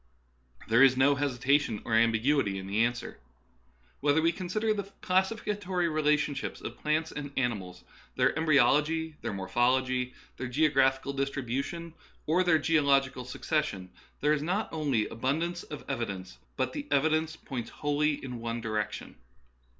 There is no hesitation or ambiguity in the answer. Whether we consider the classifi catory relationships of plants and animals, their embryology, their morphology, their geographical distribution, or their geological succession, there is not only abundance of evidence, but the evi dence points wholly in one direction.